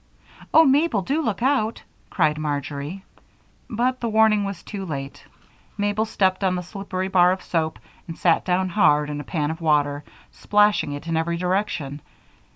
"Oh, Mabel! Do look out!" cried Marjory. But the warning came too late. Mabel stepped on the slippery bar of soap and sat down hard in a pan of water, splashing it in every direction.